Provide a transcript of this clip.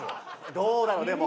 どうだろう？でも。